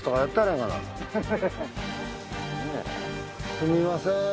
すみません